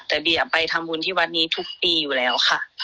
แต่เบียไปทำบุญที่วัดนี้ทุกปีอยู่แล้วค่ะ